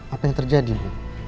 apa yang terjadi ibu